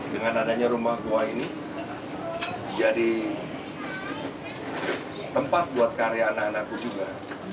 dengan adanya rumah goa ini jadi tempat buat karya anak anakku juga